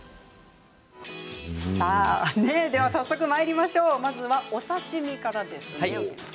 では、早速まいりましょうまずはお刺身からです。